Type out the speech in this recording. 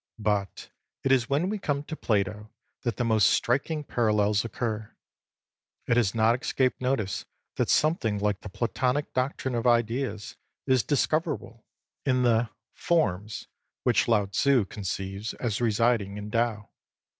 But it is when we come to Plato that the most striking parallels occur. It has not escaped notice that something like the Platonic doctrine of ideas is discoverable in the l.t. — 2 15 " forms " which Lao Tzii conceives as residing in Tao.